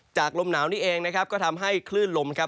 ลมหนาวนี้เองนะครับก็ทำให้คลื่นลมครับ